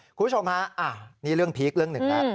คุณผู้ชมฮะนี่เรื่องพีคเรื่องหนึ่งแล้ว